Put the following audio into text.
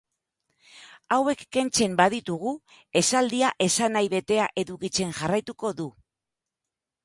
Hauek kentzen baditugu esaldia esanahi betea edukitzen jarraituko du.